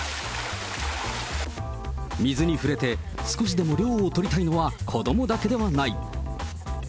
水に触れて少しでも涼をとりたいのは子どもだけではない。